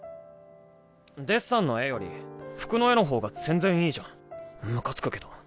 デッサンの絵より服の絵の方が全然いいじゃんムカつくけど。